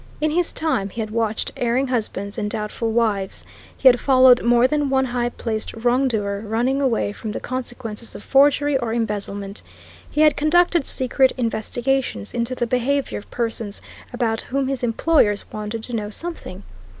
In his time he had watched erring husbands and doubtful wives; he had followed more than one high placed wrong doer running away from the consequences of forgery or embezzlement; he had conducted secret investigations into the behaviour of persons about whom his employers wanted to know something.